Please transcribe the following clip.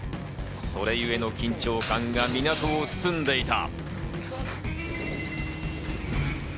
それゆえの緊張感が港を包んでいた。